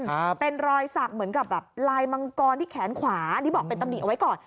ครับเป็นรอยสักเหมือนกับแบบลายมังกรที่แขนขวาอันนี้บอกเป็นตำหนิเอาไว้ก่อน